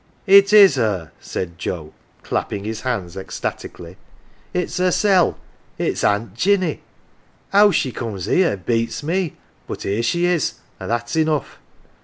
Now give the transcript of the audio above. " It is her," said Joe, clapping his hands ecstatically. " It"s herse! 1 it's Aunt Jinny. How she comes ""ere beats me but here she is, an 1 that's enough